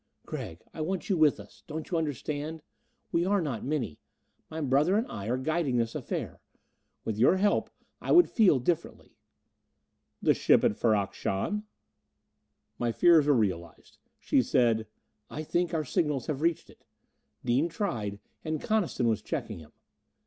"Gregg, I want you with us. Don't you understand? We are not many. My brother and I are guiding this affair. With your help, I would feel differently." "The ship at Ferrok Shahn "My fears were realized. She said, "I think our signals reached it. Dean tried, and Coniston was checking him."